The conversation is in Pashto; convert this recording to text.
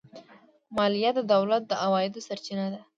مالیه د دولت د عوایدو سرچینه ده.